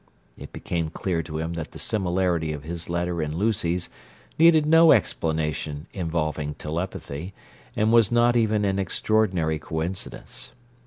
It became clear to him that the similarity of his letter and Lucy's needed no explanation involving telepathy, and was not even an extraordinary coincidence.